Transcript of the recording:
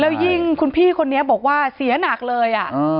แล้วยิ่งคุณพี่คนนี้บอกว่าเสียหนักเลย